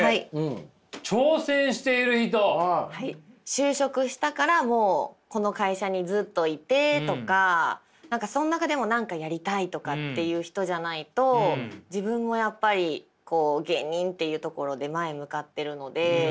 就職したからもうこの会社にずっといてとか何かその中でも何かやりたいとかっていう人じゃないと自分もやっぱり芸人っていうところで前向かってるので。